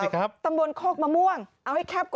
ไปเลยครับ